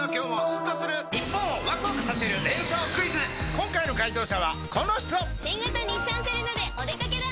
今回の解答者はこの人新型日産セレナでお出掛けだ！